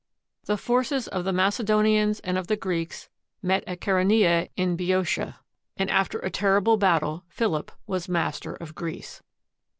The forces of the Macedonians and of the Greeks met at Chceronea in Boeotia, and after a terrible battle, Philip was master of Greece.